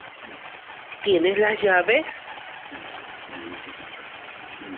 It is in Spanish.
¿Tienes las llaves?